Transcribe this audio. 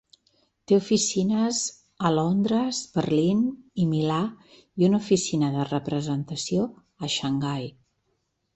Té oficines a Londres, Berlín i Milà i una oficina de representació a Xangai.